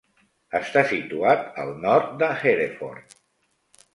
Està situat al nord de Hereford.